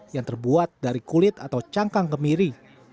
yang terbuat dari kulit atau cangkang kemiri